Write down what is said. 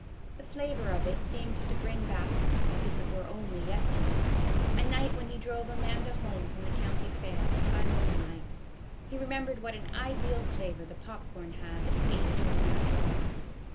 The flavor of it seemed to bring back, as if it were only yesterday, a night when he drove Amanda home from the county fair, by moonlight. He remembered what an ideal flavor the pop corn had that he ate during that drive.